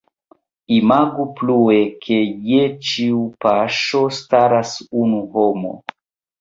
Imagu plue, ke je ĉiu paŝo staras unu homo.